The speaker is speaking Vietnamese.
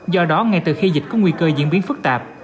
do đó ngay từ khi dịch có nguy cơ diễn biến phức tạp